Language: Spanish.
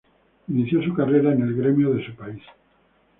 Inició su carrera en el Grêmio de su país.